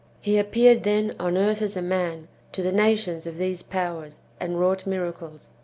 He appeared, then, on earth as a man, to the nations of these powers, and wrouo'ht miracles.